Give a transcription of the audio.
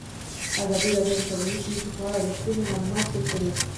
ازادي راډیو د طبیعي پېښې په اړه رښتیني معلومات شریک کړي.